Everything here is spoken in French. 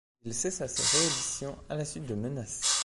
Il cessa ses rééditions à la suite de menaces.